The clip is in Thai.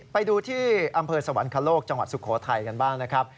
ไปดูที่อำเภอสวรรคโลกจังหวัดสุโขทัยกันบ้างนะครับ